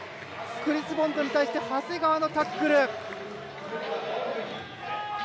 クリス・ボンドに対して長谷川のタックル！